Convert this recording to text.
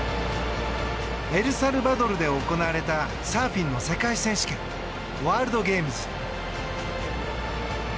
エルサルバドルで行われたサーフィンの世界選手権ワールドゲームズ。